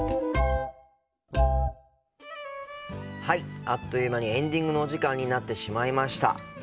はいあっという間にエンディングのお時間になってしまいました。